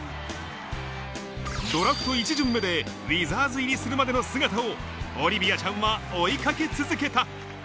ドラフト１巡目でウィザーズ入りするまでの姿をオリビアちゃんは追いかけ続けた。